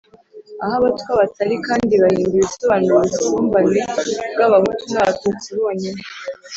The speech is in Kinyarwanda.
aho abatwa batari kandi, bahimba ibisobanuro ubusumbane bw’abahutu n’abatutsi bonyine.